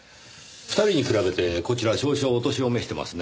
２人に比べてこちら少々お年を召してますね。